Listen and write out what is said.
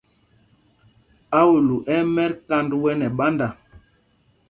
Aūlū ɛ́ ɛ́ mɛt kánd wɛ nɛ ɓánda.